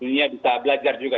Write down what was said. dunia bisa belajar juga